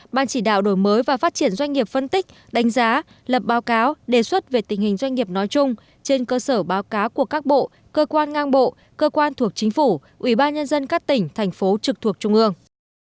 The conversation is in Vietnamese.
ban chỉ đạo đổi mới và phát triển doanh nghiệp phân tích đánh giá lập báo cáo đề xuất về tình hình doanh nghiệp nói chung trên cơ sở báo cáo của các bộ cơ quan ngang bộ cơ quan thuộc chính phủ ủy ban nhân dân các tỉnh thành phố trực thuộc trung ương